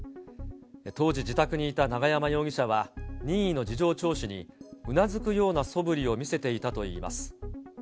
当時、自宅にいた永山容疑者は、任意の事情聴取にうなずくようなそぶりを見せていたといいます。